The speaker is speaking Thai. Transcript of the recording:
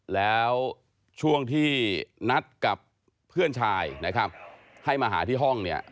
แล้วช่วงที่นัดกับเพื่อนชายนะครับให้มาหาที่ห้องเนี่ย